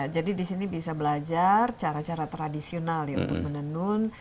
jadi di sini bisa belajar cara cara tradisional ya untuk menenun